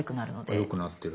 よくなってる。